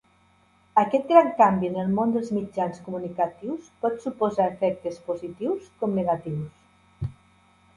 Aquest gran canvi en el món dels mitjans comunicatius pot suposar efectes positius com negatius.